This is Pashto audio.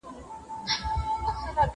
دولت په روغتیايي برخو کي پیسې لګوي.